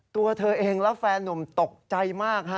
ตัวเธอเองและแฟนหนุ่มตกใจมาก